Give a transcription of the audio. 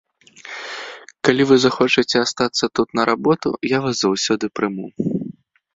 Калі вы захочаце астацца тут на работу, я вас заўсёды прыму.